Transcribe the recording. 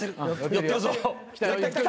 寄ってるぞ。